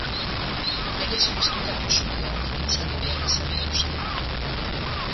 Berez piztutako suteak itzali behar izan dituzte.